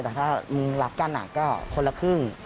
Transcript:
แต่ถ้ามึงรักกันก็คนละครึ่ง